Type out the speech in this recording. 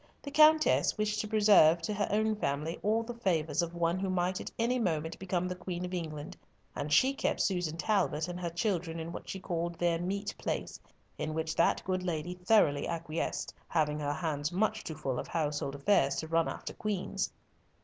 The Countess wished to reserve to her own family all the favours of one who might at any moment become the Queen of England, and she kept Susan Talbot and her children in what she called their meet place, in which that good lady thoroughly acquiesced, having her hands much too full of household affairs to run after queens.